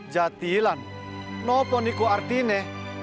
jatilan apa artinya